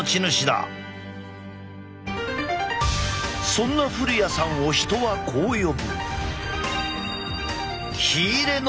そんな古屋さんを人はこう呼ぶ。